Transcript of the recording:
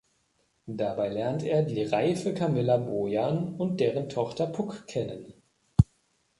Dabei lernt er die reife Kamilla Bojan und deren Tochter Puck kennen.